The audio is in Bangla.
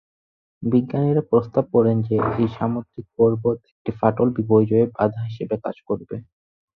বিজ্ঞানীরা প্রস্তাব করেন যে এই সামুদ্রিক পর্বত একটি ফাটল বিপর্যয়ে বাধা হিসাবে কাজ করবে।